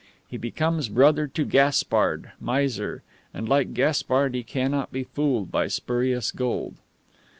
He becomes brother to Gaspard, miser; and like Gaspard he cannot be fooled by spurious gold.